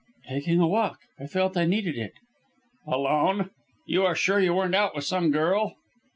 "Taking a walk. I felt I needed it." "Alone! Are you sure you weren't out with some girl."